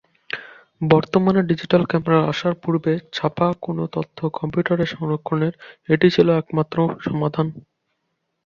বর্তমানে digital camera আসার পূর্বে ছাপা কোন তথ্য কম্পিউটারে সংরক্ষণের এটি ছিল একমাত্র সমাধান।